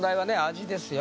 味ですよ